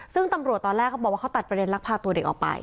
ซึ่งตำรวจตอนแรกเขาบอกว่าเขาตัดประเด็นลักพาตัวเด็กออกไป